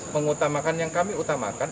mengutamakan yang kami utamakan